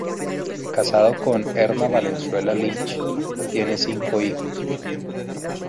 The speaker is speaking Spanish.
Casado con Erna Valenzuela Lynch, tiene cinco hijos.